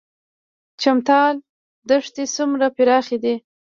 چمتال دښتې څومره پراخې دي؟